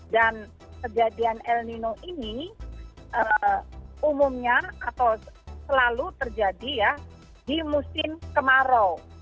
dan kejadian el nino ini umumnya atau selalu terjadi di musim kemarau